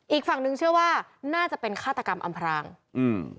อีกฝั่งหนึ่งเชื่อว่าน่าจะเป็นฆาตกรรมอำพรางอืม